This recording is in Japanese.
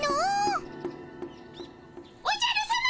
おじゃるさま！